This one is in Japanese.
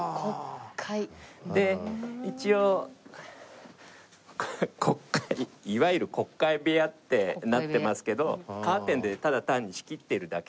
で一応告解いわゆる告解部屋ってなってますけどカーテンでただ単に仕切っているだけですね。